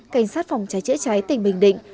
cảnh sát phòng cháy chữa cháy tỉnh bình định